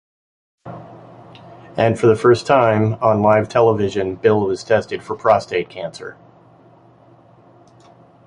And, for the first time on live television, Bill was tested for prostate cancer.